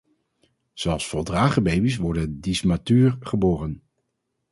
Zelfs voldragen baby's worden dysmatuur geboren.